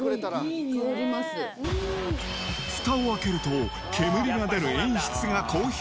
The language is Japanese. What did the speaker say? ふたを開けると、煙が出る演出が好評。